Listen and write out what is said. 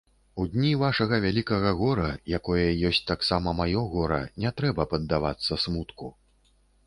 У дні вашага вялікага гора, якое ёсць таксама маё гора, не трэба паддавацца смутку.